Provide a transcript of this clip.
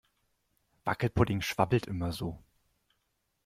Wackelpudding schwabbelt immer so.